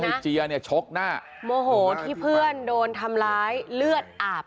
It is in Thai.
เจียเนี่ยชกหน้าโมโหที่เพื่อนโดนทำร้ายเลือดอาบ